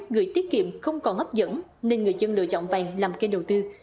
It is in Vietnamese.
gửi tiết kiệm không còn hấp dẫn nên người dân lựa chọn vàng làm kênh đầu tư